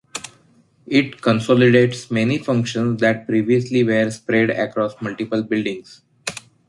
It consolidates many functions that previously were spread across multiple buildings.